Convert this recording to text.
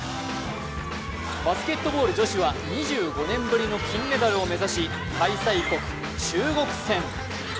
バスケットボール女子は２５年ぶりの金メダルを目指し、開催国・中国戦。